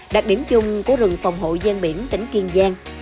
đặc điểm chung của rừng phòng hộ gian biển tỉnh kiên giang